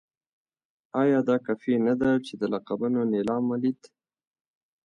ایا دا کافي نه ده چې د لقبونو نېلام ولید.